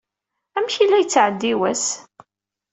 Amek i la yettɛeddi wass?